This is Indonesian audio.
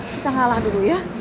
kita ngalah dulu ya